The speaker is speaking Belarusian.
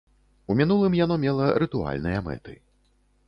У мінулым яно мела рытуальныя мэты.